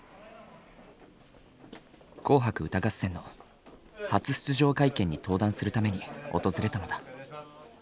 「紅白歌合戦」の初出場会見に登壇するために訪れたのだ。